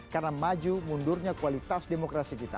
karena maju mundurnya kualitas demokrasi kita